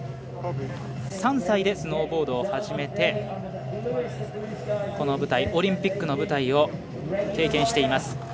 ３歳でスノーボードを始めてオリンピックの舞台を経験しています。